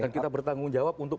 dan kita bertanggung jawab untuk